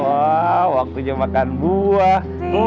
sayang waa waktunya makan buah